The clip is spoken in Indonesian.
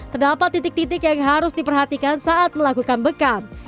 terdapat titik titik yang harus diperhatikan saat melakukan bekam